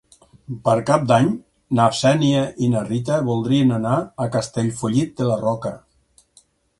Per Cap d'Any na Xènia i na Rita voldrien anar a Castellfollit de la Roca.